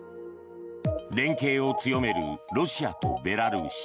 連携を強めるロシアとベラルーシ。